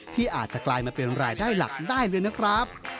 ที่อาจจะกลายมาเป็นรายได้หลักได้เลยนะครับ